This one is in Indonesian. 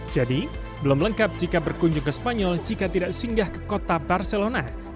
jadi belum lengkap jika berkunjung ke spanyol jika tidak singgah ke kota barcelona